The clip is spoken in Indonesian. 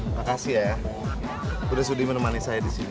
makasih ya udah sudi menemani saya disini